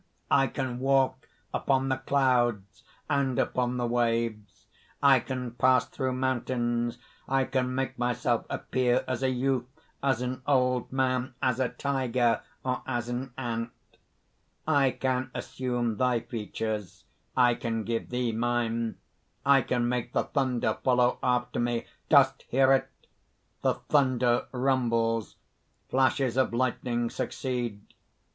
I can walk upon the clouds and upon the waves, I can pass through mountains, I can make myself appear as a youth, as an old man, as a tiger, or as an ant; I can assume thy features; I can give thee mine; I can make the thunder follow after me. Dost hear it?" (_The thunder rumbles; flashes of lightning succeed.